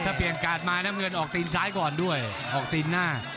ถ้าเปลี่ยนการ์ดมาน้ำเงินออกตีนซ้ายก่อนด้วยออกตีนหน้า